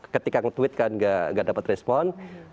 ketika nge tweet kan gak dapat respon